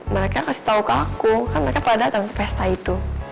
mereka kasih tau ke aku kan mereka pada atas pesta itu